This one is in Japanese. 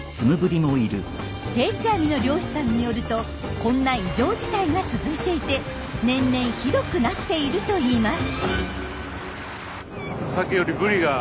定置網の漁師さんによるとこんな異常事態が続いていて年々ひどくなっているといいます。